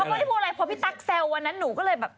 ไม่ได้พูดอะไรพอพี่ตั๊กแซววันนั้นหนูก็เลยแบบ